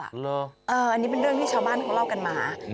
อันนี้เป็นเรื่องที่ชาวบ้านเขาเล่ากันมา